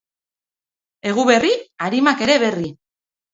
Eguberri, arimak ere berri.